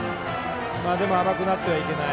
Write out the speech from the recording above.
でも、甘くなってはいけない。